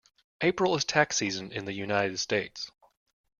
April is tax season in the United States.